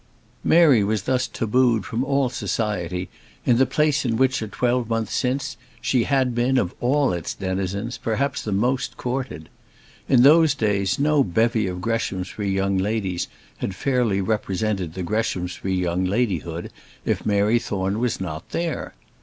Mary was thus tabooed from all society in the place in which a twelvemonth since she had been, of all its denizens, perhaps the most courted. In those days, no bevy of Greshamsbury young ladies had fairly represented the Greshamsbury young ladyhood if Mary Thorne was not there.